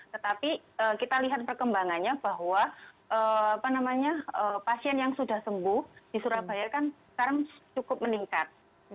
tetapi kita lihat perkembangannya bahwa pasien yang sudah sembuh di surabaya kan sekarang cukup meningkat